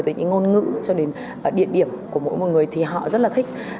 từ những ngôn ngữ cho đến địa điểm của mỗi một người thì họ rất là thích